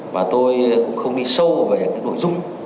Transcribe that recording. và tôi không đi sâu về nội dung